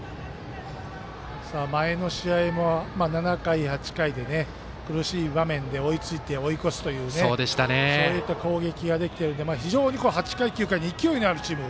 前の試合も７回、８回で苦しい場面で追いついて追い越すというそういった攻撃ができているんで非常に８回、９回で勢いのあるチーム。